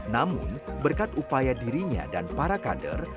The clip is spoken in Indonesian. namun berkat upaya dirinya dan para kader